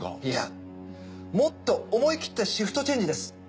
いやもっと思い切ったシフトチェンジです。